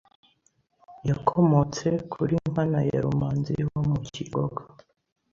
Yakomotse kuri Nkana ya Rumanzi wo mu Kingogo